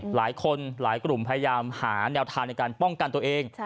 หลายคนหลายกลุ่มพยายามหาแนวทางในการป้องกันตัวเอง